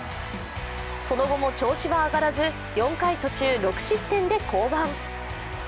その後も調子は上がらず、４回途中６失点で降板。